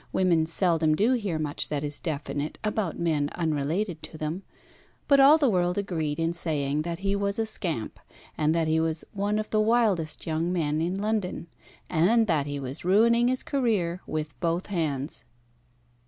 Women seldom do hear much that is definite about men unrelated to them; but all the world agreed in saying that he was a scamp, that he was one of the wildest young men in London, and that he was ruining his career with both hands.